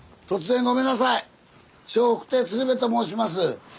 笑福亭鶴瓶と申します。